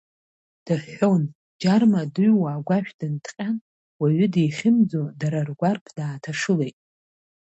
Дыҳәҳәон, Џьарма дыҩуа агәашә дынҭҟьан, уаҩы дихьымӡо, дара ргәарԥ дааҭашылеит.